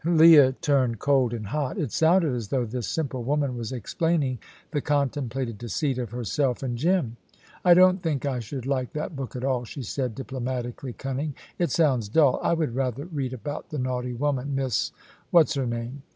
Leah turned cold and hot. It sounded as though this simple woman was explaining the contemplated deceit of herself and Jim. "I don't think I should like that book at all," she said, diplomatically cunning; "it sounds dull. I would rather read about the naughty woman Miss what's her name?"